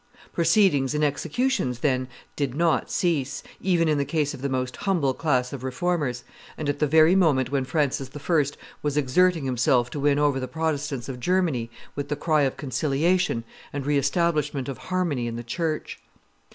Proceedings and executions, then, did not cease, even in the case of the most humble class of Reformers, and at the very moment when Francis I. was exerting himself to win over the Protestants of Germany with the cry of conciliation and re establishment of harmony in the church.